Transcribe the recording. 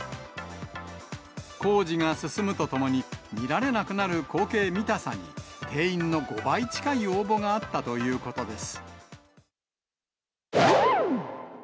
工事が進むとともに見られなくなる光景見たさに、定員の５倍近い応募があったということです。